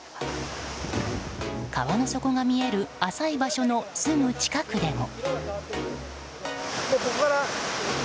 川の底が見える浅い場所のすぐ近くでも。